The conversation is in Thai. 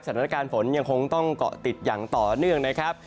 สถานการณ์ฝนยังคงต้องเกาะติดอย่างต่อเนื่องนะครับ